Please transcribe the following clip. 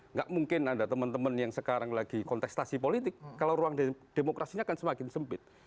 nggak mungkin ada teman teman yang sekarang lagi kontestasi politik kalau ruang demokrasinya akan semakin sempit